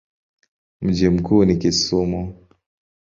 Mji mkuu ni Kisumu.